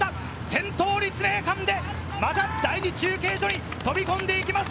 先頭が立命館で、また第２中継所に飛び込んでいきます。